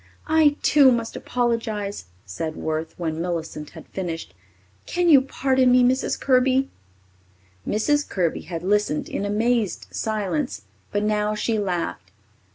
"I, too, must apologize," said Worth, when Millicent had finished. "Can you pardon me, Mrs. Kirby?" Mrs. Kirby had listened in amazed silence, but now she laughed.